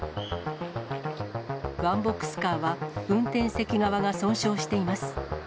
ワンボックスカーは、運転席側が損傷しています。